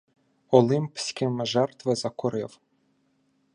Олимпським жертви закурив.